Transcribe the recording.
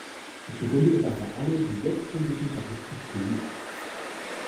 Ich bewundere daher alle, die jetzt schon wissen, dass es zu früh ist.